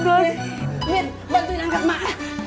mir bantuin angkat mak